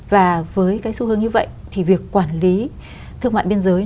và với cái xu hướng như vậy thì việc quản lý thương mại biên giới